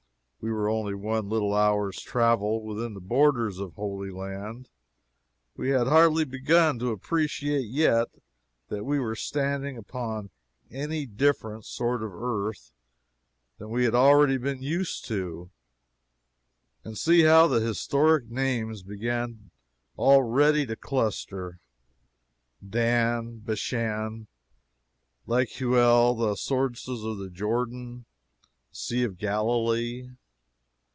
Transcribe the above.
We were only one little hour's travel within the borders of Holy Land we had hardly begun to appreciate yet that we were standing upon any different sort of earth than that we had always been used to, and see how the historic names began already to cluster! Dan Bashan Lake Huleh the Sources of Jordan the Sea of Galilee.